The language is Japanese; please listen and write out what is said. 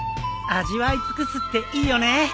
味わい尽くすっていいよね。